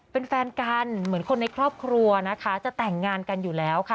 เป็นแฟนกันเหมือนคนในครอบครัวนะคะจะแต่งงานกันอยู่แล้วค่ะ